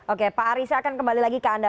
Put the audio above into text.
oke pak aris saya akan kembali lagi ke anda